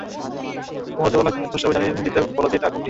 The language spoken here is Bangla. তোমার প্রতিপালককে স্পষ্টভাবে জানিয়ে দিতে বল যে, তা কোনটি?